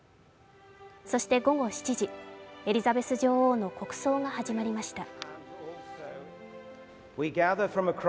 そして午後７時、エリザベス女王の国葬が始まりました。